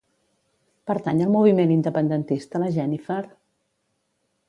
Pertany al moviment independentista la Jenifer?